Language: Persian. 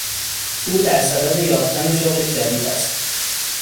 او درصدد یافتن شغل جدید است.